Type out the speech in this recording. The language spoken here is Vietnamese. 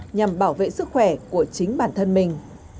nhằm bảo vệ sức khỏe của chính bản thân mình